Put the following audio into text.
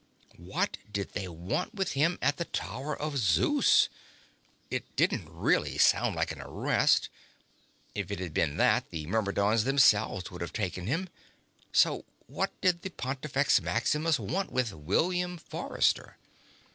What did they want with him at the Tower of Zeus? It didn't really sound like an arrest. If it had been that, the Myrmidons themselves would have taken him. So what did the Pontifex Maximus want with William Forrester?